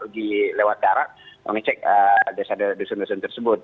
di lewat darat pengecek desa desa dusun desa tersebut